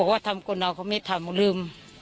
เหนือ